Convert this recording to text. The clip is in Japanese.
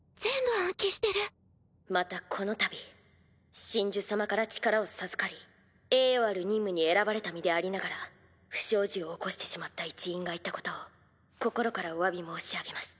またこの度神樹様から力を授かり栄誉ある任務に選ばれた身でありながら不祥事を起こしてしまった一員がいたことを心からお詫び申し上げます。